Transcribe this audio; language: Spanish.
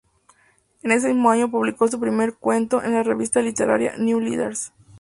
En ese mismo año publicó su primer cuento en la revista literaria "New Letters.